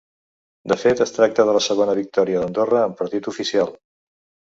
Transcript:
De fet, es tracta de la segona victòria d’Andorra en partit oficial.